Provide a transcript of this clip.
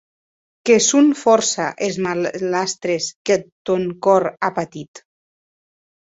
Que son fòrça es malastres qu’eth tòn còr a patit.